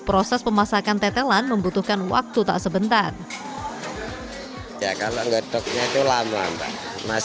proses pemasakan tetelan membutuhkan waktu tak sebentar ya kalau ngetoknya itu lama lama masa